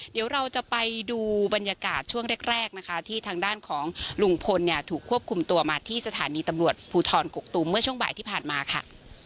เดี๋ยวเราจะไปดูบรรยากาศช่วงแรกนะคะที่ทางด้านของลุงพลเนี่ยถูกควบคุมตัวมาที่สถานีตำรวจภูทรกกตูมเมื่อช่วงบ่ายที่ผ่านมาค่ะ